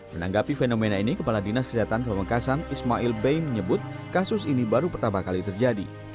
menanggapi fenomena ini kepala dinas kesehatan pamekasan ismail bey menyebut kasus ini baru pertama kali terjadi